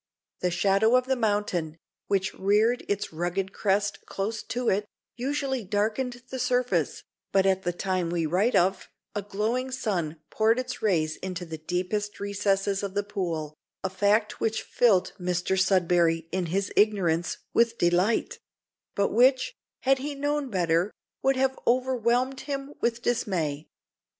The shadow of the mountain, which reared its rugged crest close to it, usually darkened the surface, but, at the time we write of, a glowing sun poured its rays into the deepest recesses of the pool a fact which filled Mr Sudberry, in his ignorance, with delight; but which, had he known better, would have overwhelmed him with dismay.